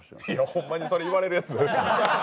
ホンマにそれ言われるやつ。